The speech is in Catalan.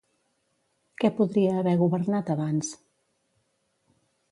Què podria haver governat abans?